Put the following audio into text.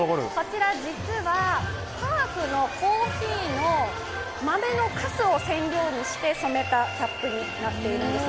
こちら実は、パークのコーヒーの豆のかすを染料にして染めたキャップになっています。